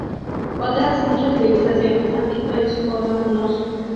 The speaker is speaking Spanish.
Otras muchas civilizaciones han visto en su forma un oso.